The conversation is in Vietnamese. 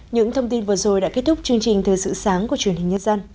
những thông tin vừa rồi đã kết thúc chương trình thời sự sáng của truyền hình nhân dân